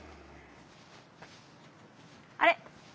あれ？